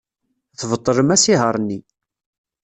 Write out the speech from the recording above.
Tbeṭlem asihaṛ-nni.